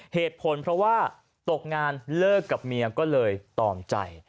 เหตุผลเพราะว่าตกงานเลิกกับเมียก็เลยตอมใจ